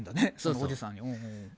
おじさん。